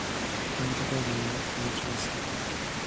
ポイントカードはお持ちですか。